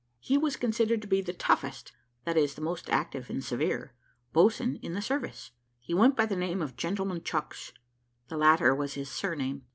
He was considered to be the taughtest (that is, the most active and severe) boatswain in the service. He went by the name of "Gentleman Chucks" the latter was his surname.